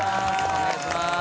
お願いします。